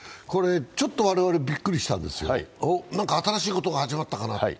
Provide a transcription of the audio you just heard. ちょっと我々びっくりしたんですが何か新しいことが始まったかなと。